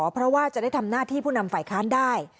เพราะว่าจะได้ทำหน้าที่ผู้นำฝ่ายค้านได้